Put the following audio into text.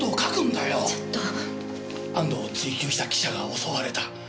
「安藤を追求した記者が襲われた」